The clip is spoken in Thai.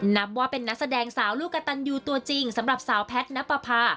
นับว่าเป็นนักแสดงสาวลูกกระตันยูตัวจริงสำหรับสาวแพทย์นับประพา